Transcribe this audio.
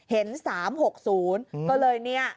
เห็น๓๖๐ก็เลยเนี่ย